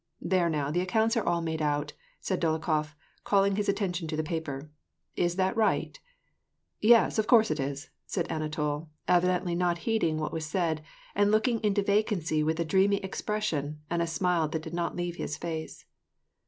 There now, the accounts are all made out," said Dolokhof, calling his attention to the paper. " Is that right ?"" Yes, of course it is," said Anatol, evidently not heeding what was said, and looking into vacancy with a dreamy expression, and a smile that did not leave his face.